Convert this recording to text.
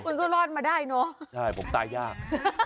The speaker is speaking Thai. มันก็รอดมาได้เนอะใช่ผมตายยาก